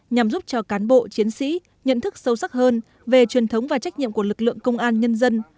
nhằm giúp cho cán bộ chiến sĩ nhận thức sâu sắc hơn về truyền thống và trách nhiệm của lực lượng công an nhân dân